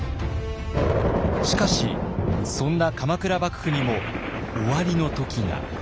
しかしそんな鎌倉幕府にも終わりの時が。